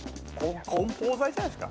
梱包材じゃないですか？